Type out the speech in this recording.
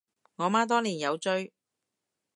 我媽當年有追